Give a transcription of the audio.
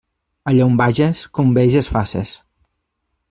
Allà on vages, com veges faces.